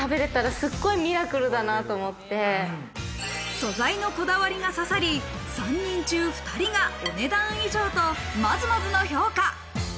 素材のこだわりが刺さり、３人中２人がお値段以上とまずまずの評価。